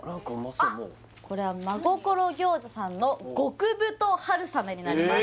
これはまごころ餃子さんの極太春雨になります